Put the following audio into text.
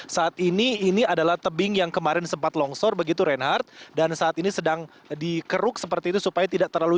saat ini ini adalah tebing yang kemarin sempat longsor begitu reinhardt dan saat ini sedang dikeruk seperti itu supaya tidak terlalu